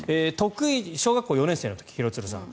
小学校４年生の時、廣津留さん。